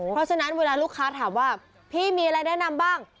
เพราะฉะนั้นเวลาลูกค้าถามว่าพี่มีอะไรแนะนำบ้าง